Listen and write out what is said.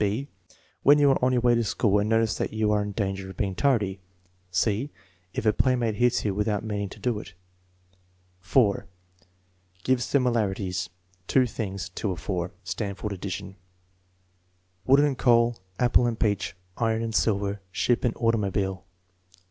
(b) "When you arc on your way to school and notice that you are in danger of being tardy?" (c) "If a playmate hits you without meaning lo do it?'* 4. Gives similarities, two tilings. ( of 4.) (Stanford addition.) Wood and coal; apple and peach; iron and silver; ship and automobile.